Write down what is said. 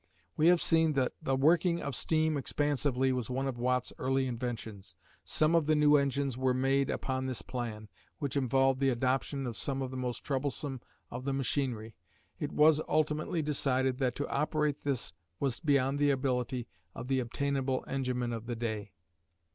We have seen that the working of steam expansively was one of Watt's early inventions. Some of the new engines were made upon this plan, which involved the adoption of some of the most troublesome of the machinery. It was ultimately decided that to operate this was beyond the ability of the obtainable enginemen of the day.